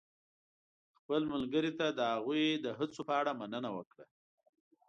خپل ملګري ته د هغوی د هڅو په اړه مننه وکړه.